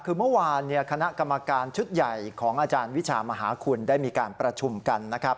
คือเมื่อวานคณะกรรมการชุดใหญ่ของอาจารย์วิชามหาคุณได้มีการประชุมกันนะครับ